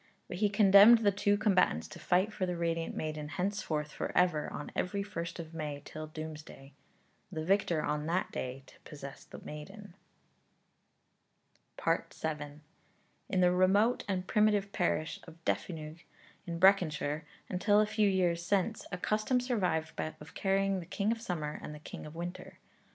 But he condemned the two combatants to fight for the radiant maiden henceforth for ever on every first of May till doomsday; the victor on that day to possess the maiden. FOOTNOTES: 'Mabinogion,' 229. 'Mabinogion,' 251. VII. In the remote and primitive parish of Defynog, in Breconshire, until a few years since, a custom survived of carrying the King of Summer and the King of Winter.